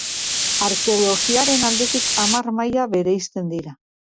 Arkeologiaren aldetik, hamar maila bereizten dira.